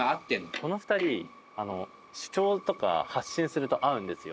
この２人、主張とか、発信すると合うんですよ。